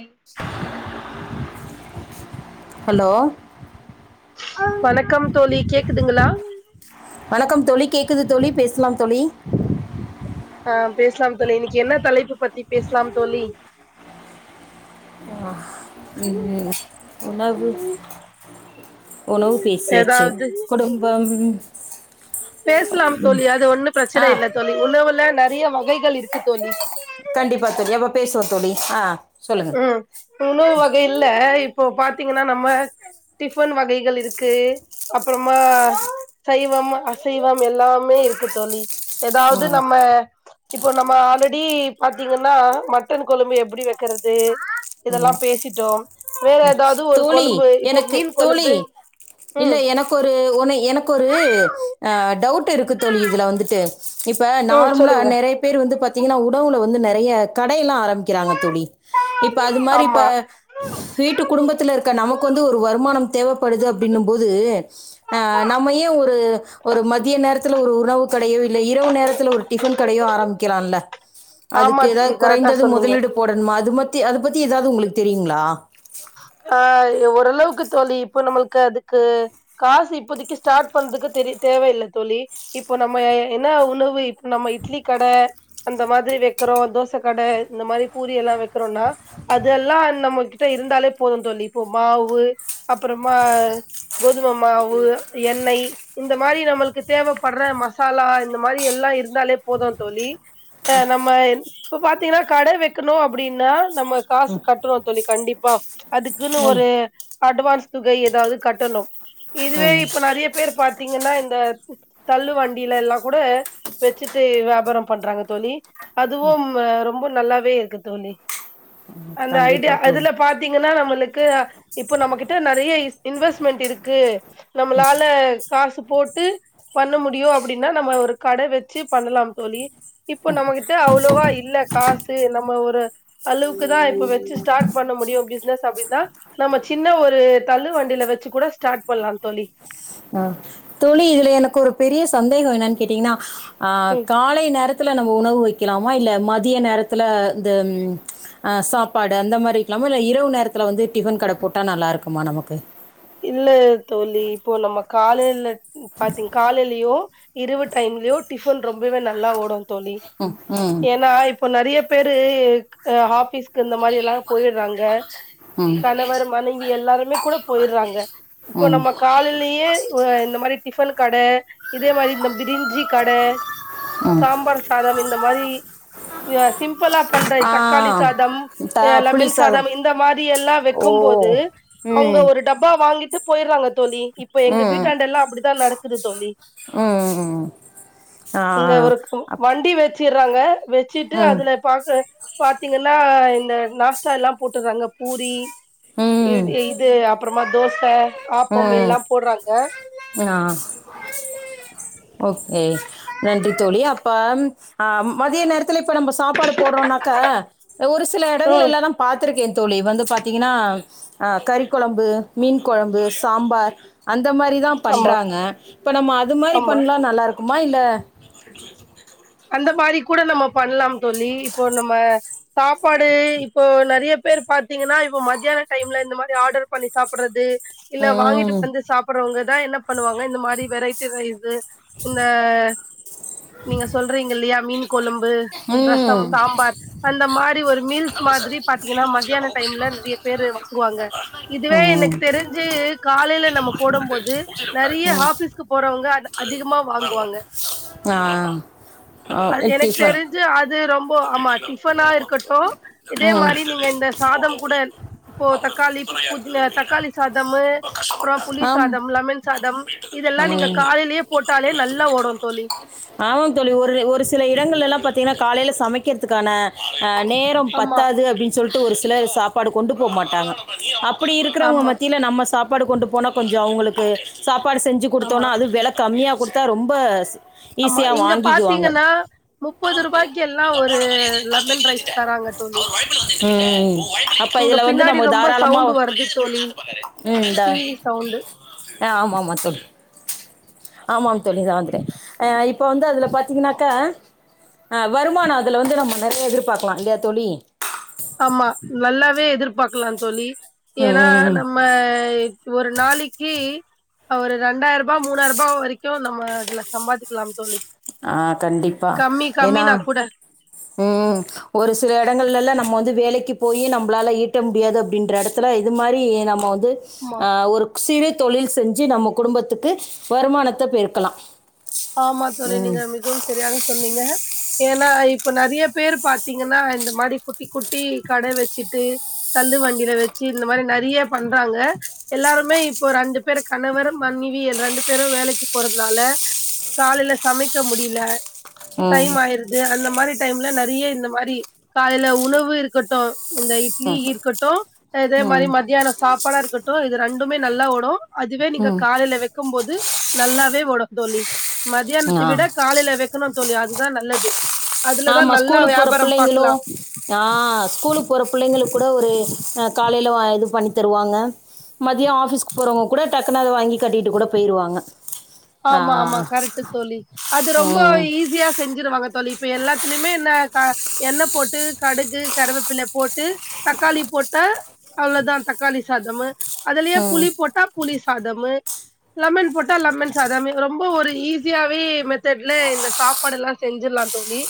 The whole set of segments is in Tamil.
எ ஹலோ வணக்கம் தோழி கேக்குதுங்களா வணக்கம் தோழி கேக்குது தோழி பேசலாம் தோழி ஆ பேசலாம் தோழி இன்னைக்கு என்ன தலைப்பு பத்தி பேசலாம் தோழி அ ம் உணவு உணவு பேசியாச்சு ஏதாவது குடும்பம் பேசலாம் தோழி அது ஒண்ணு ஆ பிரச்சன இல்ல தோழி உணவுல நெறைய வகைகள் இருக்கு தோழி கண்டிப்பா தோழி அப்ப பேசுவோ தோழி ஆ சொல்லு உணவு வகை இல்ல இப்போ பாத்தீங்கன்னா நம்ம டிஃபன் வகைகள் இருக்கு அப்றமா சைவம் அசைவம் எல்லாமே இருக்கு தோழி எதாது ம் நம்ம இப்போ நம்ம ஆல்ரெடி பாத்தீங்கன்னா மட்டன் கொழம்பு எப்டி வெக்கறது இதெல்லா பேசிட்டோ வேற எதாது ஒரு தோழி கொழும்பு இப்போ எனக்கு மீன் தோழி கொழம்பு இல்ல ம் எனக்கு ஒரு உன எனக்கொரு அ டவுட் இருக்கு தோழி இ இதுல வந்துட்டு இப்ப ம் நார்மலா சொல்லுங்க நெறைய பேர் வந்து பாத்தீங்கன்னா உடவுல வந்து நிறைய கடையெல்லா ஆரம்பிக்கிறாங்க தோழி இப்ப அது மாரி இப்ப ஆமா சீட்டு குடும்பத்துல இருக்க நமக்கு வந்து ஒரு வருமானம் தேவைப்படுது அப்டீனும் போது ஆ நம்மயே ஒரு ஒரு மதிய நேரத்துல ஒரு உணவு கடையோ இல்ல இரவு நேரத்துல ஒரு டிஃபன் கடையோ ஆரம்பிக்கலால்ல ஆமா அதுக்கு ஏதாவது தோழி கரெக்டா குறைந்தது சொன்னீங்க முதலீடு போடணுமா அது மத்தி அது பத்தி ஏதாவது உங்களுக்கு தெரியுங்களா ஆ ஒரளவுக்கு தோழி இப்போ நம்மள்க்கு அதுக்கு காசு இப்போதக்கு ஸ்டார்ட் பண்றதுக்கு தெரிய தேவையில்ல தோலி இப்போ நம்ம என்ன உணவு இப்ப நம்ம இட்லி கட அந்த மாதிரி வைக்கிறோ தோச கட இந்த மாரி பூரி எல்லா வைக்கிறோனா அதெல்லா நம்மகிட்ட இருந்தாலே போது தோழி இப்போ மாவு அப்பறமா கோதும மாவு எண்ணெய் இந்த மாரி நம்மளுக்கு தேவப்படுற மசாலா இந்த மாரி எல்லா இருந்தாலே போது தோலி ப நம்ம இப்ப பாத்தீங்கனா கட வெக்கணு அப்பிடீன்னா நம்ம காசு ம் கட்றோ தோழி கண்டிப்பா துக்குன்னு சொல்லு ஒரு அட்வான்ஸ் தொகை எதாவது கட்டணு இதுவே ம் இப்ப நா நிறைய பேர் பாத்தீங்கன்னா இந்த தள்ளு வண்டீல எல்லா கூட வச்சுட்டு வியாபாரம் பண்றாங்க தோழி அதுவும் ரொம்ப நல்லாவே இருக்கு தோலி அந்த கண்டிப்பா ஐடியா தோழி அதுல பாத் தீங்கனா நம்மளுக் கு இப்ப நம்மகிட்ட நெறைய இன்வெஸ்ட்மென்ட் இருக்கு நம்மளால காசு போட்டு பண்ண முடியு அப்டின்னா நம்ம ஒரு கட வச்சு பண்ணலாம் தோழி இப்போ நம்மகிட்ட அவளோவா இல்ல காசு நம்ம ஒரு அளவுக்கு தா இப்ப வச்சு ஸ்டாட் பண்ண முடியு பிஸ்னஸ் அப்டின்னா நம்ம சின்ன ஒரு தள்ளு வண்டில வச்சு கூட ஸ்டார்ட்பண்ணலாம் தோலி அ தோளி இதுல எனக்கு ஒரு பெரிய சந்தேகம் என்னன்னு கேட்டீங்கனா அ ம் கா பழைய நேரத்துல நம்ம உணவு வைக்கலாமா இல்ல மதிய நேரத்துல இந்த ஆசாப்படு அந்த மாரி இருக்கலாமா இல்ல இரவு நேரத்துல வந்து டிஃபன் கட போட்டா நல்லா இருக்குமா நமக்கு இல்ல தோழி இப்போ நம்ம காலைல பாத்தீ காலேலயோ இருவு டைம்லயு டிஃபன் ரொம்பவே நல்லா ஓடு தோழி ம் ம் ஏனா இப் இப்போ நிறைய பேரு இந்த ஆபிஸ்க் ப்ப இந்த மாரி எல்லா போயர்றாங்க ம் கணவர் மனைவி எல்லாருமே கூட போயர்றாங்க இப்போ ம் நம்ம காலிலயே ஒஅ இந்த மாரி டிஃபன் கட இதே மாரி இந்த பிரிஞ்சி கட ம் சாம்பார் சாதம் இந்த மாரி அ சிம்பிளா பண்ற ஆ தக்காளி சாதம் த அ புளி லெமன் சாதம் இந்த மாதி எல்லா ஓ வெக்கும்போது அவுங்க ம் ஒரு டப்பா வாங்கிட்டு போய்ட்றாங்க தோழி யிப்ப யெங்க வீட்டாண்டல்லாம் அப்டிதா நடக்குது தோழி ம் ம் ம் இங்க ஒரு ஆஹ்ஹா வண்டி வச்சுடுறாங்க வச்சுட்டு அதுல பாக்க பாத்தீங்கன்னா இந்த நாஸ்டா எல்லாம் போட்டுறாங்க பூரி இ ம் ம் இது அப்பறமா தோச ஆப்பம் எல்லா ம் போட்றாங்க ஆ ஓகே நன்றி தோழி அப்பாம் ஆ மதிய நேரத்துல இப்ப நம்ம சாப்பாடு போடுறோம்னாக்கா ஒரு சில இடங்கள் ம் இல்லதாம் பாத்துருக்கே தோழி வந்து பாத்திங்கன்னா அ கறிக்கொழம்பு மீன் கொழம்பு சாம்பார் அந்த மாரி தா ஆமா பண்றாங்க இப்ப நம்ம அது மாரி ஆமா பண்ணலா நல்லா இருக் கும்மா இல்ல அந்த மாரி கூட நம்ம பண்ணலாம் தோழி இப்போ நம்ம சாப்பாடு இப்போ நெறைய பேர் பாத்தீங்கன்னா இப்போ மத்தியான டைம்ல இந்த மாரி ஆர்டர் பண்ணி சாப்பட்றது இல்ல வாங்கிட்டு ம் வந்து சாப்பிடுறவங்கதா என்ன பண்ணுவாங்க இந்த மாரி வெரைட்டி ரைஸ்ஸு இந்த சொல்றீங்கில்லையா மீன் கொழம்பு ரசம் ம் சாம்பார் அந்த மாரி ஒரு மீல்ஸ் மாதிரி பாத்தீங்கன்னா மத்தியான டைம்ல நெறைய பேரு வாங்குவாங்க இதுவே ம் எனக்கு தெரிஞ்சு காலைல நம்ம போடம் போது நெறைய ஹாஃபிஸ்க்கு போறவங்க அத் அது அதிகமா வாங்குவாங்க ஆ ஆ, அது எனக் டிஃபன் தெரிஞ்சு அது ரொம்போ ஆமாட் டிஃபனா இருக்கட்டு இதே மாரி நீங்க இந்த சாதம் கூடல் இப்போ தக்காளி பு புதி்ன தக்காளி சாதமு அப்றோ புளி ம் சாதம் லெமன் சாதம் இதெல்லா ஆம் நீங்க ம் காலையிலேயே போட்டாலே நல்லா ஓடு தோழி ஆமாங்க தோழி ஒரு ஒரு சில இடங்கள் எல்லா பாத்தீங்கன்னா காலையில சமைக்கிறதுக்கான அ நேரம் ஆமா பத்தாது அப்டின் சொல்ட்டு ஒரு சிலர் சாப்பாடு கொண்டு போ மாட்டாங்க அப்படி இருக்கிறவங்க ஆமா மத்தியில நம்ம சாப்பாடு கொண்டு போனா கொஞ்சோ அவங்களுக்கு சாப்பாடு செஞ்சு ஆமா குடுத்தோனா அது வெல கம்மியா குடுத்தா ரொம்ப ஆமா ஈஸியாக இங்க வாங்கிக்குவாங்க பாத்தீங்கன்னா முப்பது ரூபாய்க்கு எல்லா ஒரு லெமன் ரைஸ் தராங்க தோழி உழைப்புல அப்போ உங்க இதில் வந்து பின்னாடி நம்ம ரொம்ப சவுண்ட் தாராளமாக வருது தோழி டி வி சவுண்டு் அ ஆமா ஆமா தோழி ஆமாம் தோழி இந்தா வந்துட்டே இப்போ வந்து அதுல பாத்தீங்கன்னாக்கா அ வருமானோ அதுல வந்து நம்ம நெறைய எதிர்பாக்கலா இல்லையா தோழி ஆமா நல்லாவே எதிர்பாக்கலா தோழி ம் ஏன்னா ம் ம் நம்மய் ஒரு நாளிக்கி ஒரு ரெண்டாயிர ரூபா மூணாயிர ரூபா வரைக்கு நம்ம அதுல சம்பாதிக்கலாம் தோழி ஆ கண்டிப்பா கம்மி ஏனா கம்மினா கூட ம் ஒரு சில எடங்கள்லல்லா நம்ம வந்து வேலைக்கு போயி நம்பளால ஈட்ட முடியாது அப்டின்ற எடத்துல இது மாரி நம்ம வந்து ஆமா அ ஒரு சிறு தொழில் செஞ்சு நம்ம குடும்பத்துக்கு வருமானத்த பெருக்கலா ஆமா தோழி நீங்க மிகவும் சரியாக சொன்னீங்க ஏன்னா இப்ப நெறைய பேரு பாத்தீங்கன்னா இந்த மாடி குட்டி குட்டி கட வச்சுட்டு தள்ளு வண்டியில வச்சு இந்த மாரி நறிய பண்றாங்க எல்லாருமே இப்போ ரெண்டு பேரு கணவரும் மனைவி ரெண்டு பேரு வேலைக்கு போறதுனால காலையில சமைக்க முடியில ம் டைம் ஆயிருத் து அந்த மாரி டைம்ல நறிய இந்த மாரி காலையில உணவு இருக்கட்டு இந்த இட்லி ம் இருக்கட்டு இதே மாரி ம் மத்தியானோ சாப்பாடா இருக்கட்டு இது ரெண்டுமே நல்லா ஒடு அதுவே நீங்க காலையில வெக்கும் போது நல்லாவே ஓடு தோழி ம் மதியானத்தை ஆ விடக் காலையில வைக்கணு தோழி அதுதா நல்லது அதுலதா நல்லா வியாபாரம் பாக்கலாம் அ ஸ்கூலுக்கு போற பிள்ளைங்களுக்கு கூட ஒரு அ காலையில [unintelligible] இது பண்ணி தருவாங்க மதியோ ஆபீஸ்க்கு போறவங்க கூட டக்குனு அத வாங்கி கட்டிட்டு கூட போயிருவாங்க ஆமா ஆமா கரெக்ட் தோழி அது ரொம்ப ம் ஈஸியா செஞ்சிருவாங்க தோழி இப்ப எல்லாத்துலயுமே என்ன க எண்ணெய் போட்டு கடுகு கருவேப்பிலை போட்டு தக்காளி போட்ட அவ்ளோதா தக்காளி சாதமு அதுலயே ம் புளி போட்டா புளி சாதமு லெமன் போட்டா லெமன் சாதமு ரொம்ப ஒரு ஈஸியாவே மெத்தடுல இந்த சாப்பாடு எல்லா செஞ்சிடலா தோழி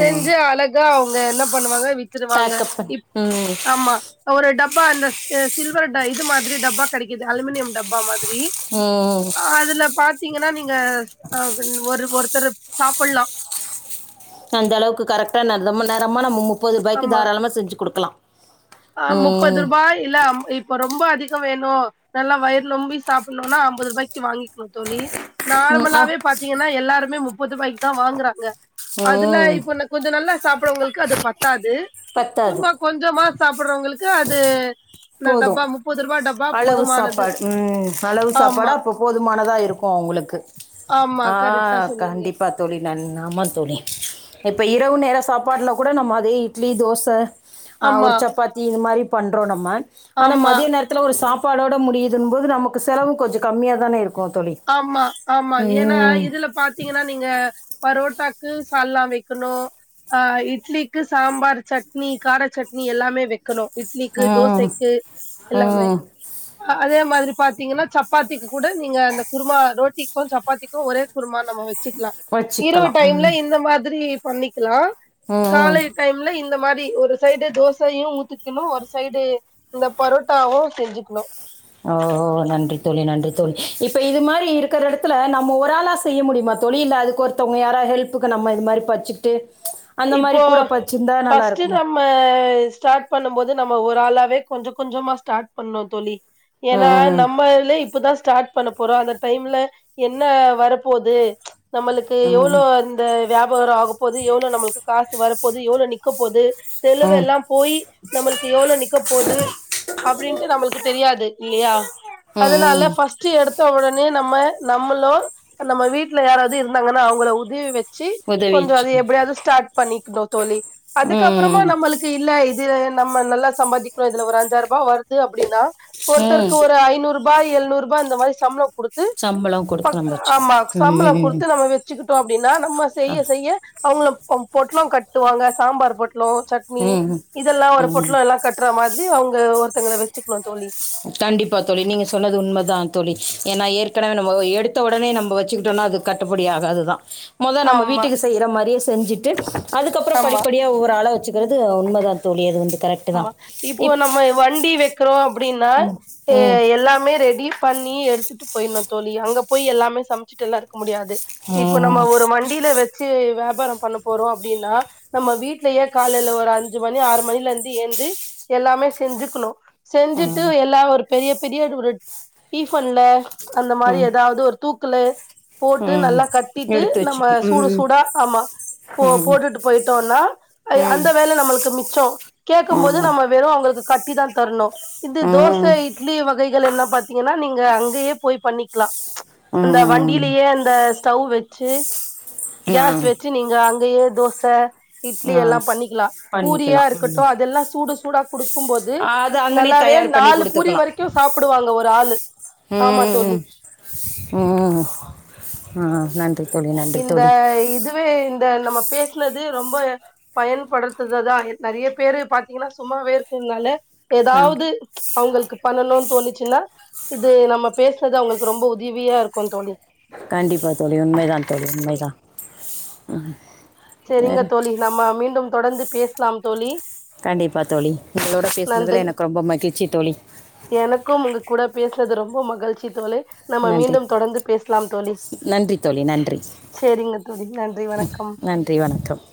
ம் அழகா அவங்க என்ன பண்ணுவாங்க வித்துருவாங்க பேக்கப் பண்ணி இப் ம் ஆமா ஒரு டப்பா அந்த அ சில்வர் இது மாதிரி டப்பா கெடைக்குது அலுமினியம் டப்பா மாதிரி ம் அதுல பாத்தீங்கன்னா நீங்க அ ஒரு ஒருத்தர் சாப்பிடலா அந்த அளவுக்கு கரெக்டா ந ரொம்ப நேரமா நம்ம முப்பது ரூபாய்க்கு தாராளமா செஞ்சு குடுக்கலா அ முப்பது ரூபாய் இல்ல அம் இப் இப்ப ரொம்ப அதிக வேணும் நல்லா வயிறு நொம்பி சாப்பிடணும்னா ஐம்பது ரூபாய்க்கு வாங்கிக்கணு தோழி ம் ஆ நார்மலாவே பாத்தீங்கன்னா எல்லாருமே முப்பது ரூபாய்க்கு தா வாங்குறாங்க அதுல ம் இப்ப கொஞ்ச நல்லா சாப்பரவங்களுக்கு அது பத்தாது பத்தாது சும்மா கொஞ்சமா சாப்பறவங்களுக்கு அது இந்த போது டப்பா முப்பது ரூபா டப்பா அளவு போதுமானது சாப்பாடு ம் அளவு சாப்பாட ஆமா போதுமானதா இருக்கு உங்களுக்கு ஆமா அ கரெக்டா சொன்னீங்க கண்டிப்பா தோழி நான் ஆமா தோழி இப்போ இரவு நேர சாப்பாடுல கூட நம்ம அதே இட்லி தோச அ ஆமா ஒரு சப்பாத்தி இந்த மாதிரி பண்றோ நம்ம ஆனா ஆமா மதிய நேரத் தில ஒரு சாப்பாடோட முடியுதுன்னும்போது நமக்கு செலவு கொஞ்சம் கம்மியாக தானே இருக்கு தோழி ஆமா ஆமா ஏன்னா ம் இதுல பா தீங்கன்னா நீங்க பரோட்டாக்கு சால்னா வெக்கணு ஆ இட்லிக்கு சாம்பார் சட்னி கார சட்னி எல்லாமே வெ க்கணு இட்லிக்கு ம் தோசைக்கு எல்லாமே ம் அ அதே மாதிரி பாத்தீங்கன்னா சப்பாத்திக்கு கூட நீங்க அந்த குருமா ரோட்டி க்கு சப்பாத்திக்கு ஒரே குருமா நம்ம வெச்சுக்கலா இரவு வச்சுக்கலாம் டைம்ல ம் இந்த மாதிரி பண்ணிக்கலா ம் ம் காலைல டைம் ல இந்த மாரி ஒரு சைடு தோசையு ஊத்திக்கணு ஒரு சைடு இந்த பரோட்டாவு செஞ்சுக்கணு ஓ நன்றி தோழி நன்றி தோழி இப்ப இது மாரி இருக்கிற எடத்துல நம்ம ஒருளா செ ய்ய முடியுமா தோழி இல்ல அது ஒருத்தவங்க யாரா ஹெல்ப்புக்கு நம்ம இது மாரி பச்சுட்டு அந்த மாரி இப்போ கூட பச்சிருந்தா ஃபஸ்ட்டு நல்லாயிருக்குமா நம்ம ஸ்டார்ட் பண்ணும் போது நம்ம ஒரு ஆளாவே கொஞ்சோ கொஞ்சமா ஸ்டார்ட் பண்ணனு தோழி ஏன்னா ம் நம்ம இதுலே இப்பதா ஸ்டார்ட் பண்ண போறோ அந்த டைம்ல என்ன வரப்போது நம்ளுக்கு எவ்ளோ ம் அ வியாபாரரோ ஆக போது எவ்ளோ நம்மளுக்கு காசு வரப் போது எவ்ளோ நிக்க போது செலவு ம் எல்லா போய் நம்மளுக்கு எவ்வளவு நிக்க போகுது அப்டின்ட்டு நம்ளுக்கு தெரியாது இல்லையா ம் நல்லா ஃபஸ்ட் எடுத்த உடனே நம்ம நம்மளு நம்ம வீட்டுல யாராவது இருந்தாங்கன்னா அவங்கள உதவி வெ ச்சு உதவி கொஞ்சோ அது வச்சுக்கணும் எப்டியாவது ஸ்டார்ட் பண்ணிக்கணு தோழி அதுக்கப்புறமா ம் நம்மளுக்கு இல்ல இது நம்ம நல்லா சம்பாதிக்கிறோ இதுல ஒரு அஞ்சாயிர ரூபா வருது அப்டின்னா ம் ஒருத்தருக்கு ஒரு ஐநூறு ரூபா எழுநூறு ரூபா இந்த மாரி சம்பளம் குடுத்து சம்பளம் கொடுத்து பக் நம்ம ஆமா வச்சுக்கணும் சம்பளோ ம் குடுத்து நம்ம வச்சுக்கிட்டோ அப்டின்னா நம்ம ஆ செய்ய செய்ய அவங்கள பொ பொட்லோ கட்டுவாங்க சாம்பார் பொட்லோ சட்னி ம் இதெல்லா ஒரு ம் பொட்லோ எல்லா கட் ட்ற மாதிரி அவுங்க ஒருத்தங்கள வெச்சுக்கணு தோழி கண்டிப்பா தோழி நீங்க சொன்னது உண்மதா தோழி எனா ஏற்கனவே நம்ம எடுத்த ஒடனே நம்ம வெச்சுக்கிட்டோனா அது கட்டுப்படியாகதுதா மொத நம்ம ஆமா வீட்டுக்கு செய்ற மாரியே செஞ்சிட்டு அதுக்கப்பறம் ஆமா படிப்படியா ஒவ்வொரு ஆளா வச்சக்கிறது உண்ம தான் தோழி அது வந்து கரெட் ஆமா இப்போ நம்ம வண்டி வெக்கிறோ அப்டின்னா ம் எ ம் எல்லாமே ரெடி பண்ணி எடுத்துட்டு போட்னு தோழி அங்க போய் எல்லாமே சமச்சுட்டு எல்லா இருக்க முடியாது நிப்போ நம்ம ம் ஒரு வண் டில வச்சு வியாபாரோ பண்ண போறோம் அப்டின்னா நம்ம வீட்லயே காலைல ஒரு அஞ்சு மணி ஆறு மணிலேந் து ஏந்து எல்லாமே செஞ்சுக்கணும் செஞ்சுட்டு ம் எல்லா ஒரு பெரியப் பெரிய அது ஒரு டீஃபன்ல அந்த மாரி ம் ஏதாவது ஒரு தூக்குல போட்டு ம் நல்லா கட்டிட்டு எடுத்து வச்சு நம்ம சூடு ம் சூடா ஆமா போ ம் போட்டுட்டு போய்டோனா அய ம் அந்த வேல நம்மளுக்கு மிச்சோ கேட்கும் போது ம் ம் நம்ம வெறும் அவுங்களுக்கு கட்டி தா தர்ணு இது தோச இட்லி வகைகள் எல்லா பாத் திங்கன்னா நீங்க அங்கயே போய் பண்ணிக்லா அந்த ம் வண்டிலயே அந்த ஸ்டவு வெச்சு ஆ கேஸ் வெச்சு நீங்க அங்கயே தோச இட்லி ஆ எல்லா பண்ணிக்கலா பூரியா பண்ணிக்கலாம் இருக்கட்டு ம் அதெல்லாம் சூடு சூடா குடுக்கும் போது அது அங்கனே நல்லாவே தயார் பண்ணி நாலு பூரி வரைக்கும் சாப்புடுவாங்க ஒரு ஆளு ஆமா தோழி ம்ம் ம்ம் ம் நன்றி தோழி நன்றி இந்த தோழி இதுவே இந்த நம்ம பேஸ்னது ரொம்ப பயன்படுத்துததா நெறைய பேரு பாத்தீங்கன்னா சும்மாவே இருக்குனால ஆ ஏதாவுது அவுங்களுக்கு பண்ணணுனு தோணிச்சின்னா இது நம்ம பேஸ்னது அவுங்களுக்கு ரொம்ப உதவியா இருக்கு தோழி கண்டிப்பா தோழி உண்மைதா தோழி உண்மைதா ஆ செரிங்க தோழி நம்ம மீண்டும் தொடர்ந்து பேஸ்லாம் தோழி கண்டிப்பா தோழி உங்களோட நன்றி பேசுனதுல எனக்கு ரொம்ப மகிழ்ச்சி தோழி எனக்கும் உங்க கூட பேசுனது ரொம்ப மகிழ்ச்சி தோலே நம்ம நன்றி மீண்டும் தொடர்ந்து பேஸ்லாம் தோழி நன்றி தோழி நன்றி செரிங்க தோழி நன்றி வணக்கம் நன்றி வணக்கம்